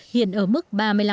hiện ở mức ba mươi năm